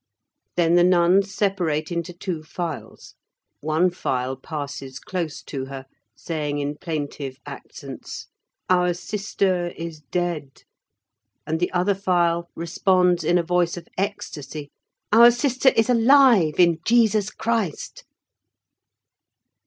Then the nuns separate into two files; one file passes close to her, saying in plaintive accents, "Our sister is dead"; and the other file responds in a voice of ecstasy, "Our sister is alive in Jesus Christ!"